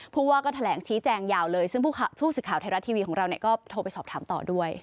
ผู้ว่าก็แถลงชี้แจงยาวเลยซึ่งผู้สื่อข่าวไทยรัฐทีวีของเราก็โทรไปสอบถามต่อด้วย